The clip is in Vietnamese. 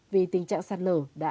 vì tình trạng sạt lở đã